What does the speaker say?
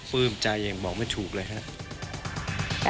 ซึ่งใจยังบอกไม่ถูกเลยฮะ